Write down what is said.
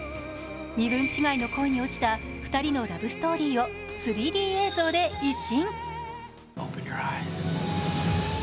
身分違いの恋に落ちた２人のラブストーリーを３Ｄ映像で一新。